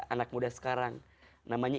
anak muda sekarang namanya